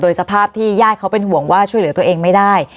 สภาพที่ญาติเขาเป็นห่วงว่าช่วยเหลือตัวเองไม่ได้